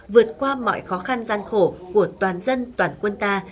vượt qua mọi khó khăn gian khổ của toàn dân toàn quân ta